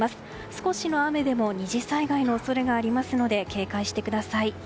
少しの雨でも２次災害の恐れがありますので警戒してください。